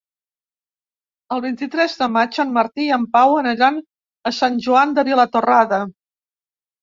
El vint-i-tres de maig en Martí i en Pau aniran a Sant Joan de Vilatorrada.